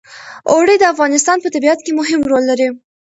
اوړي د افغانستان په طبیعت کې مهم رول لري.